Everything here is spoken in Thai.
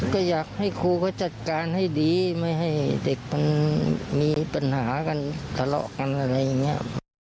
ก็อยากให้ครูเขาจัดการให้ดีไม่ให้เด็กมันมีปัญหากันทะเลาะกันอะไรอย่างนี้